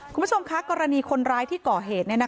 คุณผู้ชมคะกรณีคนร้ายที่ก่อเหตุ